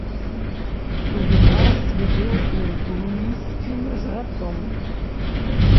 У юнацтве быў індуісцкім жрацом.